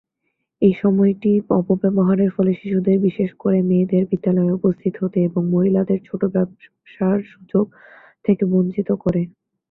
এই সময়টি অপব্যবহারের ফলে শিশুদের, বিশেষ করে মেয়েদের বিদ্যালয়ে উপস্থিত হতে এবং মহিলাদের ছোট ব্যবসার সুযোগ থেকে বঞ্চিত করে।